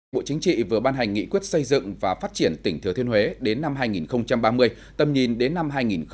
bộ chính trị vừa ban hành nghị quyết xây dựng và phát triển tỉnh thừa thiên huế đến năm hai nghìn ba mươi tầm nhìn đến năm hai nghìn bốn mươi năm